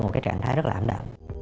một cái trạng thái rất là ảm đạm